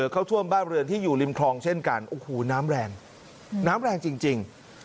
เข้าท่วมบ้านเรือนที่อยู่ริมคลองเช่นกันโอ้โหน้ำแรงน้ำแรงจริง